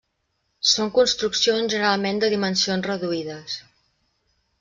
Són construccions generalment de dimensions reduïdes.